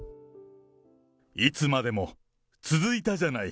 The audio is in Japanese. いつまでも続いたじゃない！